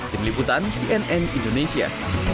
di meliputan cnn indonesia